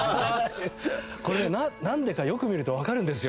これねなんでかよく見るとわかるんですよ。